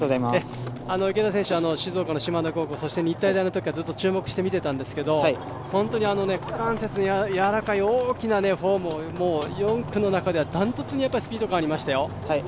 池田選手、静岡の島田高校、そして日体大のときからずっと注目して見てたんですけど、本当に股関節が柔らかい、４区の中では断トツにスピード感がありましたよ。